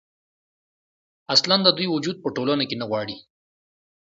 اصـلا د دوي وجـود پـه ټـولـنـه کـې نـه غـواړي.